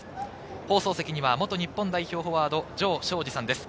放送席には元日本代表フォワード・城彰二さんです。